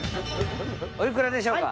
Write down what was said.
お幾らでしょうか？